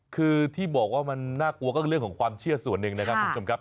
คือที่บอกว่ามันน่ากลัวก็เรื่องของความเชื่อส่วนหนึ่งนะครับคุณผู้ชมครับ